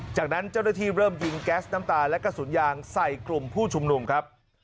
จากนั้นเจ้าหน้าที่เริ่มยิงแก๊สน้ำตาและกระสุนยางใส่กลุ่มผู้ชุมนุมครับ